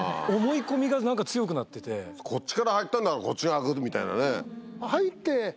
こっちから入ったんだからこっちが開くみたいなね。